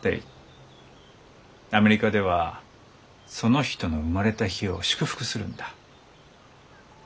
アメリカではその人の生まれた日を祝福するんだ。